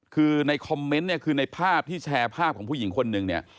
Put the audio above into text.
คือในคอมเมนต์เนี่ยคือในภาพที่แชร์ภาพของผู้หญิงคนนึงเนี่ย